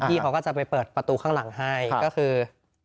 พี่เขาก็จะไปเปิดประตูข้างหลังให้ก็คือ